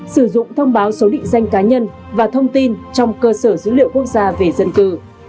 sử dụng thông báo số định danh cá nhân và thông tin trong cơ sở dữ liệu quốc gia về dân cư